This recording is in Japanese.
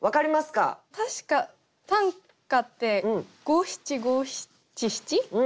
確か短歌って五七五七七？